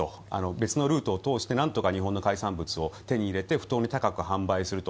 別のルートを通して、なんとか日本の海産物を手に入れて不当に高く販売すると。